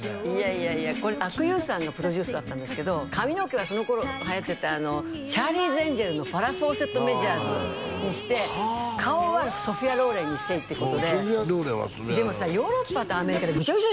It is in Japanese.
いやいやこれ阿久悠さんがプロデュースだったんですけど髪の毛はその頃はやってた「チャーリーズ・エンジェル」のファラ・フォーセット・メジャースにして顔はソフィア・ローレンにしていいってことででもさヨーロッパとアメリカでぐちゃぐちゃでしょ？